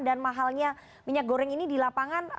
dan mahalnya minyak goreng ini di lapangan